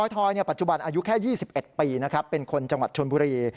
ทอยปัจจุบันอายุแค่๒๑ปีนะครับเป็นคนจังหวัดชนบุรี